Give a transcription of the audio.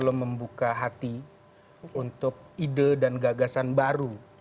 kalau membuka hati untuk ide dan gagasan baru